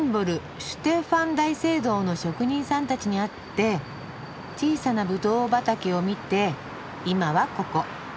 シュテファン大聖堂の職人さんたちに会って小さなぶどう畑を見て今はここ。